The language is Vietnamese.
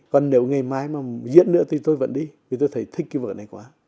còn nếu ngày mai mà diễn nữa thì tôi vẫn đi vì tôi thấy thích cái vở này quá